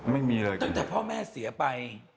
ตั้งแต่พ่อแม่เสียไป